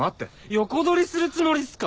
横取りするつもりっすか？